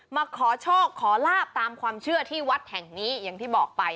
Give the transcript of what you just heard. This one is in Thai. มาขอโชคขอลาบตามความเชื่อที่วัดแห่งนี้อย่างที่บอกไป